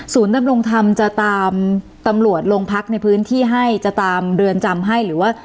ดำรงธรรมจะตามตำรวจโรงพักในพื้นที่ให้จะตามเรือนจำให้หรือว่า